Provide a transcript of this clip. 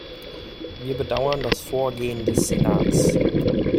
Wir bedauern das Vorgehen des Senats.